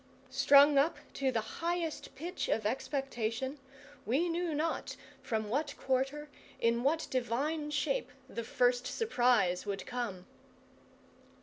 Strung up to the highest pitch of expectation, we knew not from what quarter, in what divine shape, the first surprise would come.